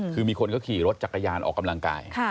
คือมีคนเขาขี่รถจักรยานออกกำลังกาย